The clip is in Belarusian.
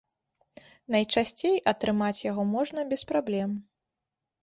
Найчасцей атрымаць яго можна без праблем.